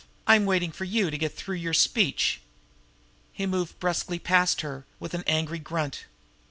I'm waiting for you to get through your speech." He moved brusquely past her, with an angry grunt.